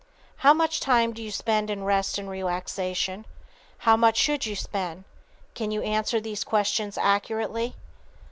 How much time do you spend in rest and relaxation? How much should you spend? Can you answer these questions accurately?